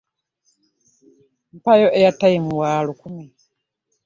Mpaayo eyatayimu wa lukumi.